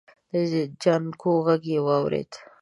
د جانکو غږ يې واورېد.